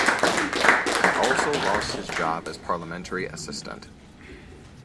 He also lost his job as parliamentary assistant.